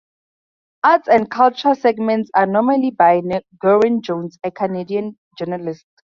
Arts and Culture segments are normally by Gerwin Jones, a Canadian Journalist.